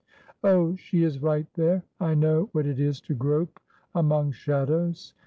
'" "Oh, she is right there; I know what it is to grope among shadows.